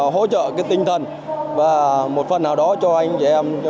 hỗ trợ cái tinh thần và một phần nào đó cho anh chị em công nhân